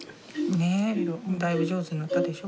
ねえだいぶ上手になったでしょ？